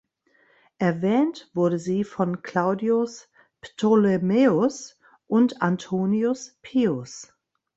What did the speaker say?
Erwähnt wurde sie von Claudius Ptolemäus und Antoninus Pius.